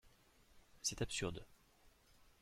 C’est absurde